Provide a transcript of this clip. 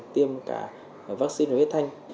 tiêm cả vaccine và hết thanh